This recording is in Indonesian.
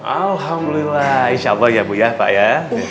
alhamdulillah insya allah ya bu ya pak ya